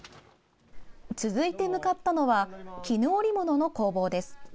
続いて向かったのは絹織物の工房です。